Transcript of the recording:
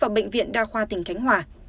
vào bệnh viện đa khoa tỉnh khánh hòa